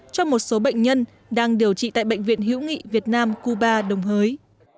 cho một số bệnh nhân đang điều trị tại bệnh viện hữu nghị việt nam cuba đồng hới